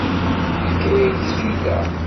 Teḥka-ak jida.